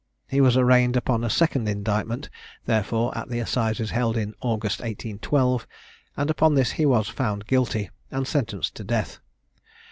He was arraigned upon a second indictment therefore at the Assizes held in August 1812, and upon this he was found guilty and sentenced to death.